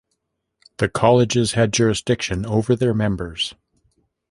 The colleges had jurisdiction over their members.